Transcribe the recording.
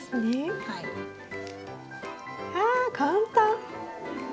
あ簡単。